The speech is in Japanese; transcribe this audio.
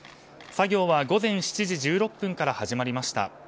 作業は午前７時１６分から始まりました。